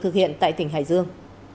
thực hiện tại tỉnh hải dương